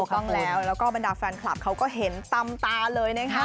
ต้องแล้วแล้วก็บรรดาแฟนคลับเขาก็เห็นตามตาเลยนะคะ